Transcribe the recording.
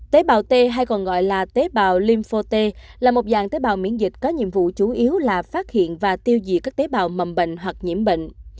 tế bào t hay còn gọi là tế bào limpho t là một dạng tế bào miễn dịch có nhiệm vụ chủ yếu là phát hiện và tiêu diệt các tế bào mầm bệnh hoặc nhiễm bệnh